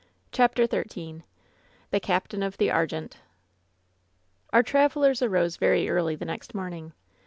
CHAPTER Xin THE CAPTAIN OF THE "aKOENTe" OuB travelers arose very early the next morning.